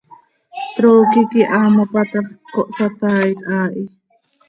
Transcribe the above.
Trooqui quih haa mopa ta x, cohsataait haa hi.